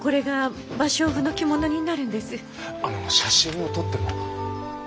あの写真を撮っても？